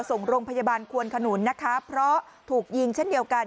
ส่งโรงพยาบาลควนขนุนนะคะเพราะถูกยิงเช่นเดียวกัน